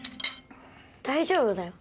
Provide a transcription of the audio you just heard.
大丈夫だよ。